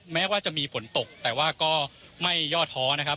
แม้ว่าจะมีฝนตกแต่ว่าก็ไม่ย่อท้อนะครับ